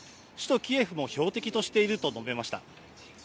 首都キエフも標的としていると述べました。